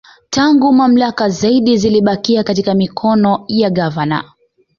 Tangu mamlaka zaidi zilibakia katika mikono ya Gavana